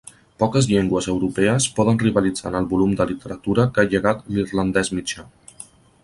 Poques llengües europees poden rivalitzar en el volum de literatura que ha llegat l'irlandès mitjà.